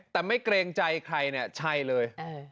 แต่ไม่เกรงใจใครเนี่ยใช่เลย